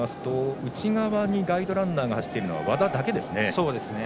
内側にガイドランナーが走っているのは和田だけですね。